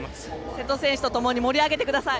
瀬戸選手と共に盛り上げてください。